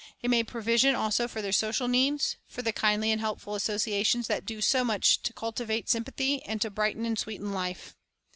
He made provision also for their social needs, for the kindly and helpful associations that do so much to cultivate sympathy and to brighten and sweeten life.